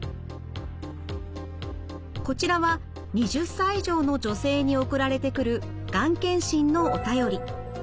こちらは２０歳以上の女性に送られてくるがん検診のお便り。